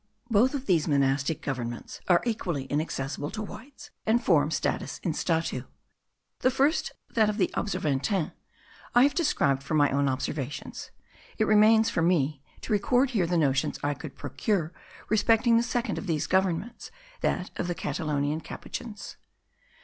Both of these monastic governments are equally inaccessible to Whites, and form status in statu. The first, that of the Observantins, I have described from my own observations; it remains for me to record here the notions I could procure respecting the second of these governments, that of the Catalonian Capuchins.